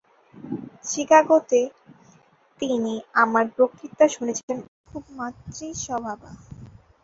চিকাগোতে তিনি আমার বক্তৃতা শুনেছেন এবং খুব মাতৃস্বভাবা।